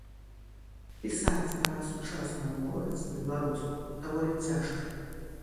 Пісаць пра сучасную моладзь па-беларуску даволі цяжка.